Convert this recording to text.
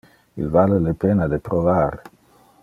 Il vale le pena de provar.